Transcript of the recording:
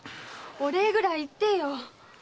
お礼ぐらい言ってよ。